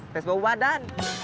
tes bau badan